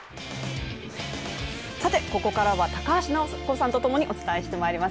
さて、ここからは高橋尚子さんとともにお伝えして参ります